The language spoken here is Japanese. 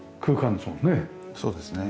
そうですね。